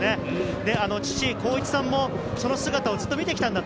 父・こういちさんもその姿をずっと見てきたんだと。